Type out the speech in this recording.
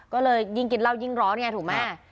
ก็เลยยิ่งกินเหล้ายิ่งร้อนไงถูกไหม